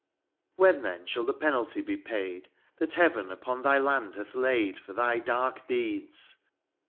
When shall the penalty be paid. That heaven upon thy land hath laid For thy dark deeds